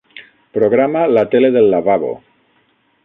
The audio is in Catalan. Programa la tele del lavabo.